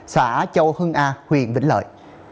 xã châu hưng a huyện vĩnh lợi